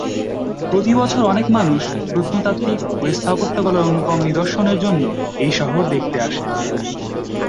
প্রতিবছর অনেক মানুষ প্রত্নতাত্ত্বিক ও স্থাপত্যকলার অনুপম নিদর্শনের জন্য এই শহর দেখতে আসেন।